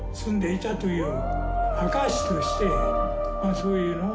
そういうのを。